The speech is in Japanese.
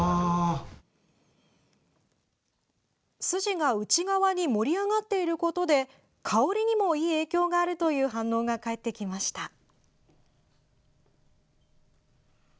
筋が内側に盛り上がっていることで香りにもいい影響があるという反応が返ってきました。